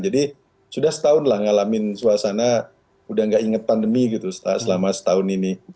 jadi sudah setahun lah ngalamin suasana sudah tidak ingat pandemi selama setahun ini